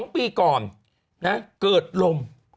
๒ปีก่อนเกิดลม